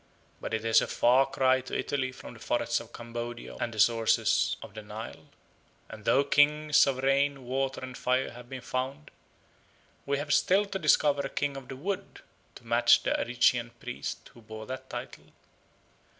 But it is a far cry to Italy from the forests of Cambodia and the sources of the Nile. And though Kings of Rain, Water, and Fire have been found, we have still to discover a King of the Wood to match the Arician priest who bore that title.